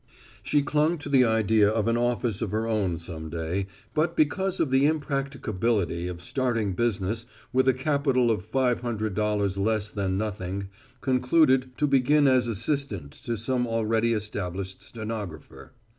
She clung to the idea of an office of her own some day, but because of the impracticability of starting business with a capital of five hundred dollars less than nothing, concluded to begin as assistant to some already established stenographer.